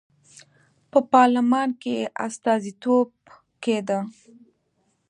په پارلمان کې یې استازیتوب کېده.